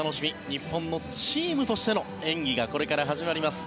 日本のチームとしての演技がこれから始まります。